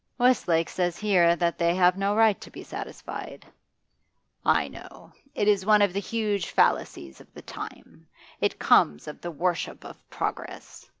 'Westlake says here that they have no right to be satisfied.' 'I know. It is one of the huge fallacies of the time; it comes of the worship of progress.